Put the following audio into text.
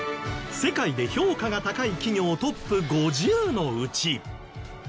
世界で評価が高い企業トップ５０のうち